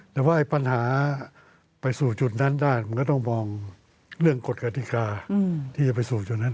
แต่ว่าปัญหาไปสู่จุดนั้นได้มันก็ต้องมองเรื่องกฎกฎิกาที่จะไปสู่จุดนั้น